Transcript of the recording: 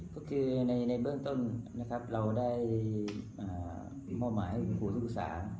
ก็คือในเบื้องต้นนะครับเราได้มอบหมายครูทุกศา